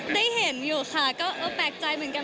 ได้เห็นอยู่ค่ะก็เออแปลกใจเหมือนกัน